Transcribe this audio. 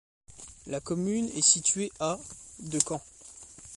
La commune est située à de Caen.